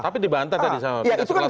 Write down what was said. tapi dibantah tadi sama pilihan kelas menteri